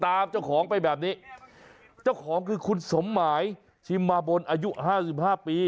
ตามเจ้าของไปแบบนี้เจ้าของคือคุณสมหมายชิมมาบนอายุห้าสิบห้าปี